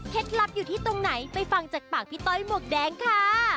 ลับอยู่ที่ตรงไหนไปฟังจากปากพี่ต้อยหมวกแดงค่ะ